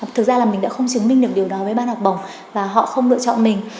thực ra là mình đã không chứng minh được điều đó với ban học bổng và họ không lựa chọn mình